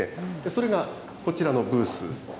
それが、こちらのブース。